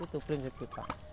itu prinsip kita